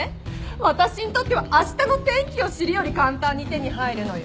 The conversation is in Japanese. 私にとってはあしたの天気を知るより簡単に手に入るのよ。